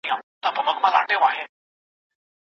چي ژوندى يم همېشه به مي دا كار وي